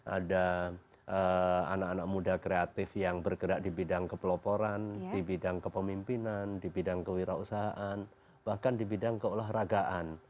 ada anak anak muda kreatif yang bergerak di bidang kepeloporan di bidang kepemimpinan di bidang kewirausahaan bahkan di bidang keolahragaan